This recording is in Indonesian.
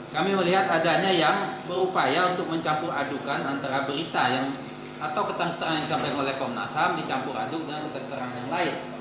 kami melihat adanya yang berupaya untuk mencampur adukan antara berita atau keterangan keterangan yang disampaikan oleh komnas ham dicampur aduk dengan keterangan yang lain